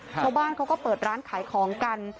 ชาวบ้านเขาก็เปิดร้านขายของกัน